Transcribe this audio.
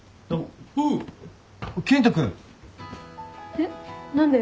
えっ？何で？